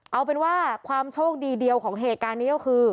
เอาเป็นว่าความโชคดีเดียวของเหตุการณ์นี้ก็คือ